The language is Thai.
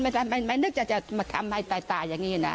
ไม่นึกจะมาทำให้ตายอย่างนี้นะ